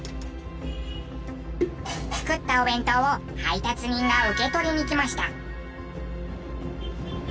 作ったお弁当を配達人が受け取りに来ました。